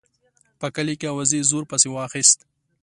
په کلي کې اوازې زور پسې واخیست.